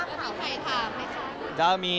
ได้ข้ามขอบใครค่ะไม่ขาย